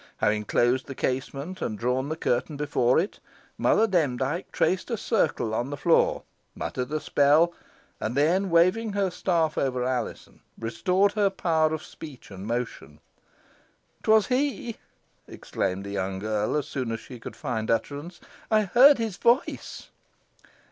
Having closed the casement and drawn the curtain before it, Mother Demdike traced a circle on the floor, muttered a spell, and then, waving her staff over Alizon, restored her power of speech and motion. "'Twas he!" exclaimed the young girl, as soon as she could find utterance. "I heard his voice."